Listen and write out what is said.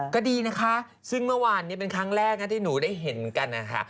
ก็ดีนะคะซึ่งเมื่อวานนี้เป็นครั้งแรกนะที่หนูได้เห็นกันนะคะ